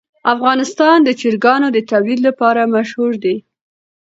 افغانستان د چرګانو د تولید لپاره مشهور دی.